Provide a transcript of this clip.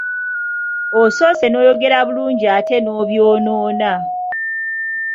Osoose n'oyogera bulungi ate n'obyonoona.